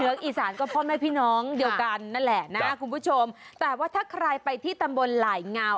อีสานก็พ่อแม่พี่น้องเดียวกันนั่นแหละนะคุณผู้ชมแต่ว่าถ้าใครไปที่ตำบลหลายเงา